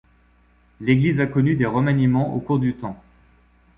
L'église a connu des remaniements au cours du temps.